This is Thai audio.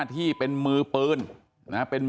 ครอบครัวญาติพี่น้องเขาก็โกรธแค้นมาทำแผนนะฮะ